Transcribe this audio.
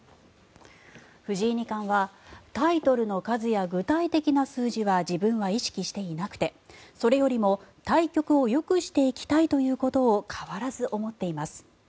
藤井二冠はタイトルの数や具体的な数字は自分は意識していなくてそれよりも、対局をよくしていきたいということを変わらず思っています。